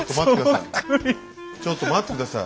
ちょっと待って下さい。